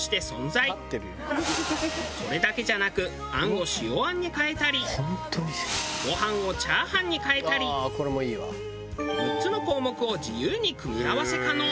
それだけじゃなく餡を塩餡に変えたりご飯を炒飯に変えたり６つの項目を自由に組み合わせ可能。